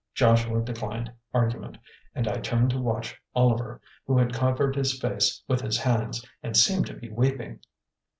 Joshua declined argument, and I turned to watch Oliver, who had covered his face with his hands, and seemed to be weeping.